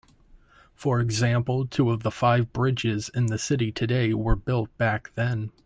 For example, two of the five bridges in the city today were built back then.